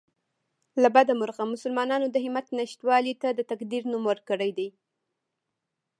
له بده مرغه مسلمانانو د همت نشتوالي ته د تقدیر نوم ورکړی دی